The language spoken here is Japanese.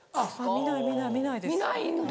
・見ない見ないです・見ないんだ！